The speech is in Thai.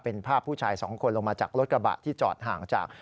เป็นภาพผู้ชายสองคนลงมาจากรถกระบะที่จอดห่างจาก